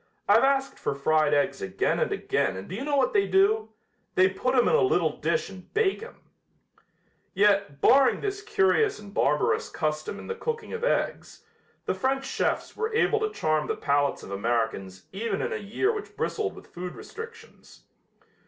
"I've asked for fried eggs again and again and do you know what they do? They put 'em in a little dish and bake 'em." Yet, barring this curious and barbarous custom in the cooking of eggs, the French chefs were able to charm the palates of Americans even in a year which bristled with food restrictions.